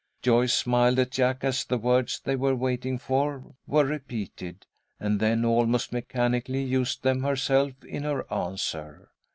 Joyce smiled at Jack as the words they were waiting for were repeated, and then almost mechanically used them herself in her answer.